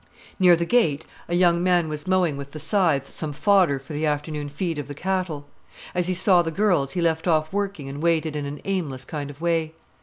Near the gate a young man was mowing with the scythe some fodder for the afternoon feed of the cattle. As he saw the girls he left off working and waited in an aimless kind of way.